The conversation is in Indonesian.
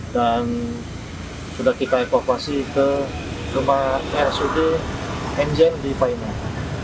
dan sudah kita epokasi ke rumah rsud enjen di pahimah